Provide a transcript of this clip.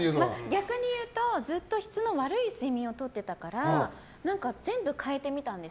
逆に言うとずっと質の悪い睡眠をとってたから全部変えてみたんです